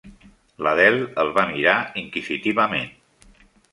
L'Adele el va mirar inquisitivament.